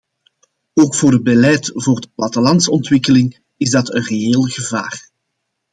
Ook voor het beleid voor de plattelandsontwikkeling is dat een reëel gevaar.